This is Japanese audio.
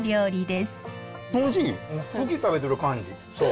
フキ食べてる感じ。